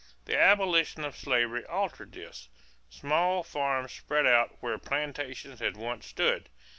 The abolition of slavery altered this. Small farms spread out where plantations had once stood.